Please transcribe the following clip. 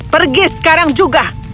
pergi sekarang juga